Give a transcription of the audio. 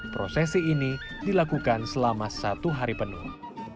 prosesi ini dilakukan selama satu hari penuh